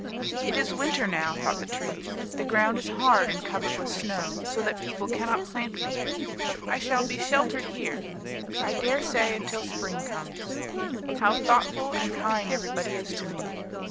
"It is winter now," thought the tree, "the ground is hard and covered with snow, so that people cannot plant me. I shall be sheltered here, I dare say, until spring comes. How thoughtful and kind everybody is to me!